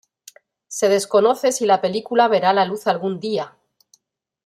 Se desconoce si la película verá la luz algún día.